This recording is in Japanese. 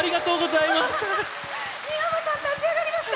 新浜さん立ち上がりました。